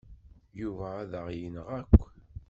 Yuba ad aɣ-yenɣ akk.